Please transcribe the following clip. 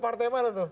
partai mana tuh